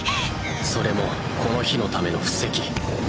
それもこの日のための布石。